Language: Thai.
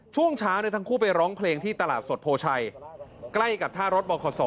ช่วงเช้าทั้งคู่ไปร้องเพลงที่ตลาดสดโพชัยใกล้กับท่ารถบขศ